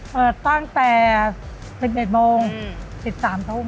เปิดตั้งแต่๑๑โมง๑๓ทุ่ม